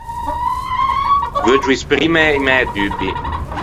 Veuggio esprimme i mæ dubbi.